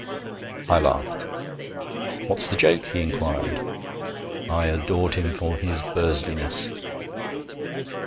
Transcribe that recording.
I laughed. 'What's the joke?' he inquired. I adored him for his Bursliness.